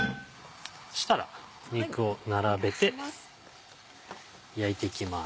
そしたら肉を並べて焼いていきます。